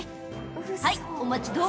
「はいお待ちどお」